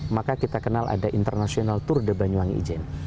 maka kita kenal ada international tour de banyuwangi ijen